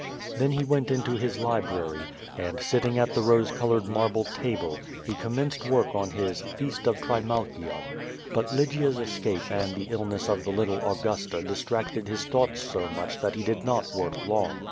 Then he went into his library, and, sitting at the rose colored marble table, he commenced work on his "Feast of Trimalchion." But Lygia's escape and the illness of the little Augusta distracted his thoughts so much that he did not work long.